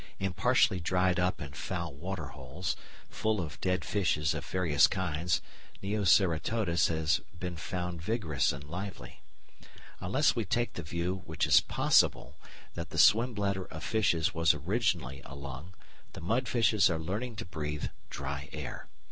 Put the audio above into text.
In partially dried up and foul waterholes, full of dead fishes of various kinds, Neoceratodus has been found vigorous and lively. Unless we take the view, which is possible, that the swim bladder of fishes was originally a lung, the mud fishes are learning to breathe dry air.